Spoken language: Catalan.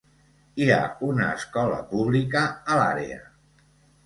Hi ha una escola pública a l'àrea.